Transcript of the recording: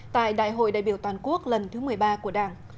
tại đại hội đại biểu toàn quốc lần thứ một mươi ba của đảng